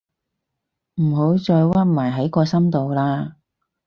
唔好再屈埋喺個心度喇